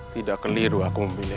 tidak keliru aku memilih